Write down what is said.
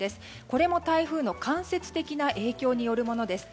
これも台風の間接的な影響によるものです。